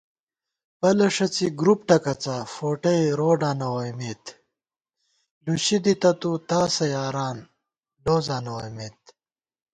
پَلہ ݭڅِی گۡروپ ٹکَڅا ، فوٹَئ روڈاں نہ ووئیمېت * لوشی دِتہ تُو تاسہ یاران لوزاں نہ ووئیمېت